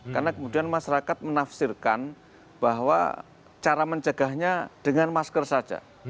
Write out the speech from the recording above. karena kemudian masyarakat menafsirkan bahwa cara menjaganya dengan masker saja